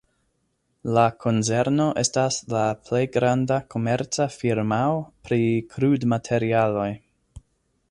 La konzerno estas la plej granda komerca firmao pri krudmaterialoj.